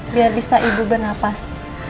biar bisa ibu bernafas